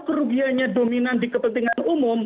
kerugiannya dominan di kepentingan umum